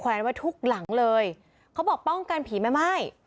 แวนไว้ทุกหลังเลยเขาบอกป้องกันผีแม่ไม้